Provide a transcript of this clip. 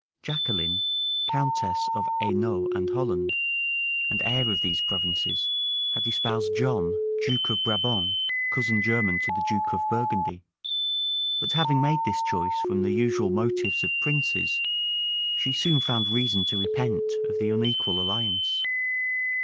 Jacqueline, countess of Hainault and Holland, and heir of these provinces, had espoused John, duke of Brabant cousin german to the duke of Burgundy; but having made this choice from the usual motives of princes, she soon found reason to repent of the unequal alliance.